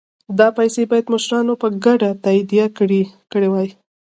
دا پیسې باید مشرانو په ګډه تادیه کړي وای.